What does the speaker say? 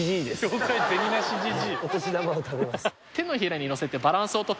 お年玉を食べます。